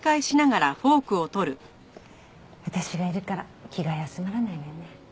私がいるから気が休まらないわよね。